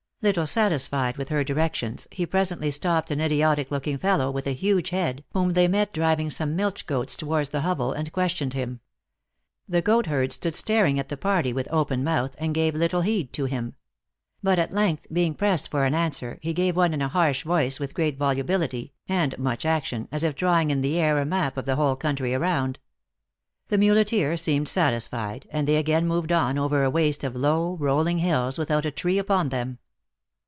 Little satis fied with her directions, he presently stopped an idiotic looking fellow, with a huge head, whom they met driving some milch goats toward the hovel, and questioned him. The goatherd stood staring at the party with open mouth, and gave little heed to him. But, at length, being pressed for an answer, he gave one in a harsh voice with great volubility, and much action, as if drawing in the air a map of the whole country around. The muleteer seemed satisfied, arid they again moved on over a waste of low, rolling hills, without a tree upon them.